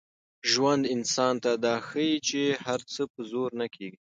ژوند انسان ته دا ښيي چي هر څه په زور نه کېږي.